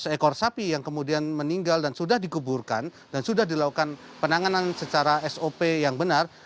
seekor sapi yang kemudian meninggal dan sudah dikuburkan dan sudah dilakukan penanganan secara sop yang benar